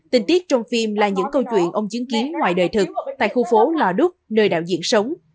tình tiết trong phim là những câu chuyện ông chứng kiến ngoài đời thực tại khu phố lò đúc nơi đạo diễn sống